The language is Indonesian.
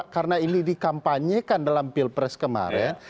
karena ini dikampanyekan dalam pilpres kemarin